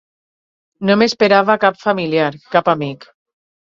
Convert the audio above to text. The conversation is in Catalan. No m'esperava cap familiar, cap amic.